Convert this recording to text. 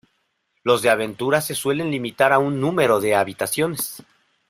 Los de aventura se suelen limitar a un número de habitaciones.